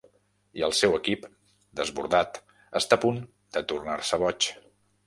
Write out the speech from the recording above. I el seu equip, desbordat, està a punt de tornar-se boig.